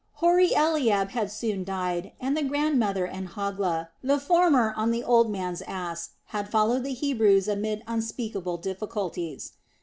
Hoary Eliab had soon died, and the grandmother and Hogla the former on the old man's ass had followed the Hebrews amid unspeakable difficulties.